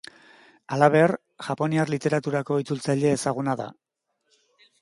Halaber, japoniar literaturako itzultzaile ezaguna da.